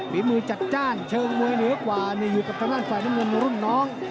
ฝีมือจัดจ้านเชิงมวยเหนือกว่านี่อยู่กับทางด้านฝ่ายน้ำเงินรุ่นน้อง